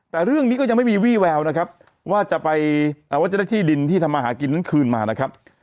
แต่เรื่องนี้ก็ยังไม่มีวี่แววนะครับว่าจะไปว่าจะได้ที่ดินที่ทำมาหากินนั้นคืนมานะครับ